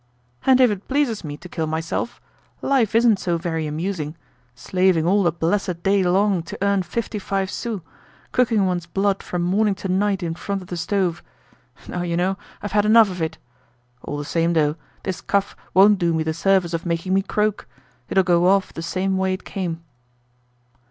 "And if it pleases me to kill myself! Life isn't so very amusing. Slaving all the blessed day long to earn fifty five sous, cooking one's blood from morning to night in front of the stove; no, you know, I've had enough of it! All the same though, this cough won't do me the service of making me croak. It'll go off the same way it came."